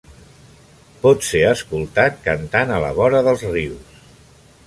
Pot ser escoltat cantant a la vora dels rius.